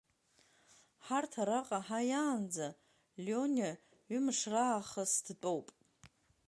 Ҳарҭ араҟа ҳааиаанӡа Лиониа ҩымш раахыс дтәоуп.